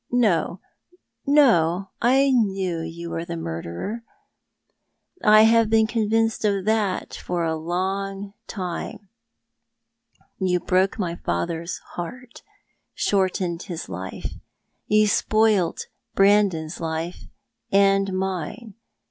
" "No, no. I knew you were the murderer. I have been convinced of that for a long time. You broke my father's heart ; shortened his life. You spoilt Brandon's life and mine.